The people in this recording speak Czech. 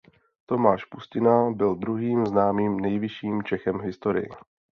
Tomáš Pustina byl druhým známým nejvyšším Čechem v historii.